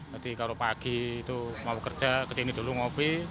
nanti kalau pagi mau kerja kesini dulu ngopi